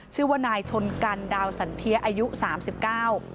ชื่อว่านายชนกันดาวสันเทียอายุสามสิบเก้า